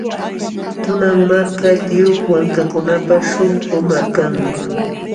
Tunan Marka, lliw wankakunapa śhunqu malkanmi.